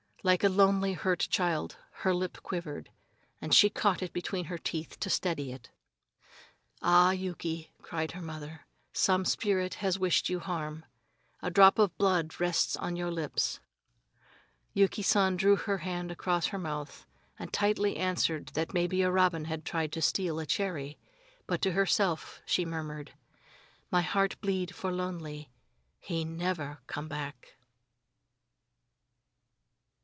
Like a lonely, hurt child her lip quivered, and she caught it between her teeth to steady it. "Ah, Yuki," cried her mother, "some spirit has wished you harm. A drop of blood rests on your lips." Yuki San drew her hand across her mouth, and lightly answered that maybe a robin had tried to steal a cherry. But to herself she murmured: "My heart bleed for lonely. He never come back."